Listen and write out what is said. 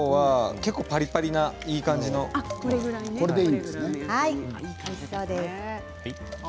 結構パリパリのいい感じです。